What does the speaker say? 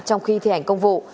trong khi thi hành công vụ